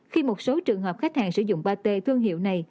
khi một số trường hợp khách hàng sử dụng pate thương hiệu này